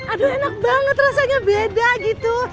aduh enak banget rasanya beda gitu